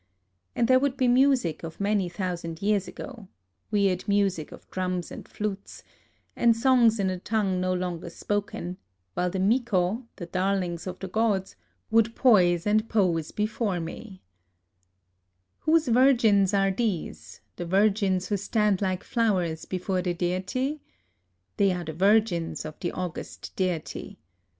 And there would be music of many thousand years ago, — weird music of drums and flutes, — and songs in a tongue no longer spoken ; while the miko, the darlings of the gods, would poise and pose before me :— A LIVING GOD 9 ..." WTiose virgins are these, — the vir gins who stand lihe flowers before the Deity f They are the virgins of the august Deity.